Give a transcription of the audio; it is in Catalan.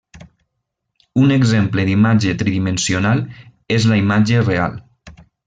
Un exemple d'imatge tridimensional és la imatge 'real'.